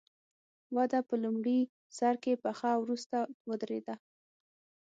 وده په لومړي سر کې پڅه او وروسته ودرېده.